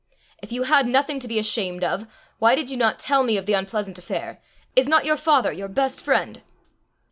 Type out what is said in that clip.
If you had nothing to be ashamed of, why did you not tell me of the unpleasant affair? Is not your father your best friend?"